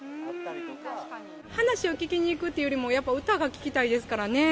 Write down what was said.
話を聞きに行くっていうよりもやっぱり歌が聴きたいですからね。